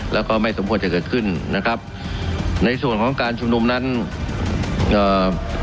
แล้วก็ไม่สมควรจะเกิดขึ้นนะครับในส่วนของการชุมนุมนั้นเอ่อ